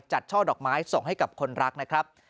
ช่อดอกไม้ส่งให้กับคนรักนะครับ